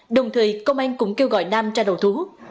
đồng thời công an cũng kêu gọi nam ra đầu thú